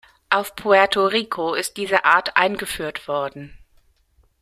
Auf Puerto Rico ist diese Art eingeführt worden.